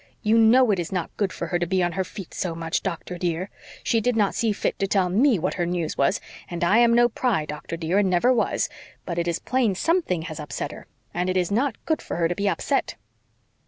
You know it is not good for her to be on her feet so much, doctor, dear. She did not see fit to tell me what her news was, and I am no pry, doctor, dear, and never was, but it is plain something has upset her. And it is not good for her to be upset."